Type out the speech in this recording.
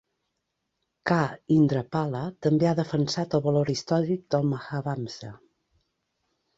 K. Indrapala també ha defensat el valor històric del "Mahavamsa".